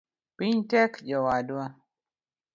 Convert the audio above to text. Piny tek jowadwa